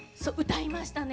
歌いましたね。